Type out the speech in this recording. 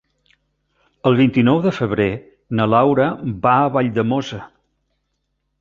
El vint-i-nou de febrer na Laura va a Valldemossa.